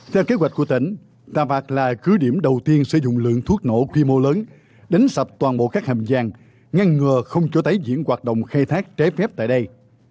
theo kế hoạch của tỉnh tà vạc là cứ điểm đầu tiên sử dụng lượng thuốc nổ quy mô lớn đánh sập toàn bộ các hầm giang ngăn ngừa không cho tái diễn hoạt động khai thác trái phép tại đây